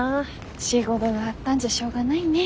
仕事があったんじゃしょうがないね。